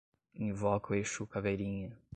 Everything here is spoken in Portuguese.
Invoca o exu caveirinha